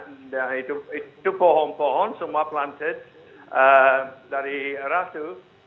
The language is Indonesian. nah itu pohon pohon semua planted dari ratu